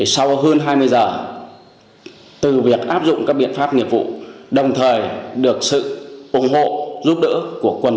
sau hơn hai mươi giờ từ việc áp dụng các biện pháp nghiệp vụ đồng thời được sự ủng hộ giúp đỡ của quần